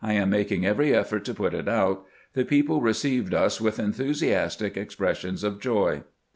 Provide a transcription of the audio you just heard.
Am making every effort to put it out. The people received us with enthusiastic expressions of joy."